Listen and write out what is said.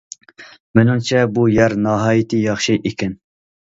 مېنىڭچە بۇ يەر ناھايىتى ياخشى ئىكەن.